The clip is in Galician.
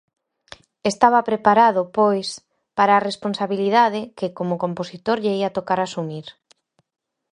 Estaba preparado pois para a responsabilidade que como compositor lle ía tocar asumir.